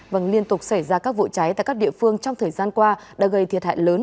vâng liên tục xảy ra các vụ cháy tại các địa phương trong thời gian qua đã gây thiệt hại lớn